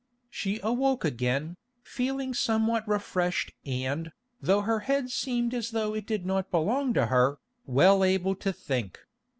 She awoke again, feeling somewhat refreshed and, though her head seemed as though it did not belong to her, well able to think.